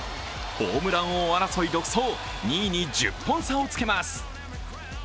ホームラン王争い独走、２位に１０本差をつけます。